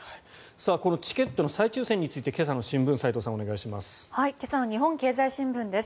このチケットの再抽選について今朝の新聞斎藤さん、お願いします。